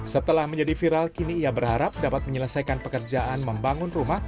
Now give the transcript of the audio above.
setelah menjadi viral kini ia berharap dapat menyelesaikan pekerjaan membangun rumah